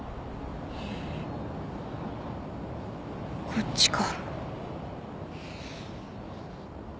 こっちか。